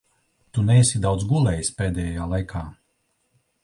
Tu neesi daudz gulējis pēdējā laikā.